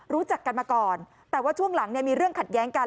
รู้จักกันมาก่อนแต่ว่าช่วงหลังเนี่ยมีเรื่องขัดแย้งกัน